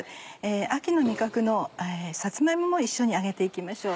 秋の味覚のさつま芋も一緒に揚げて行きましょう。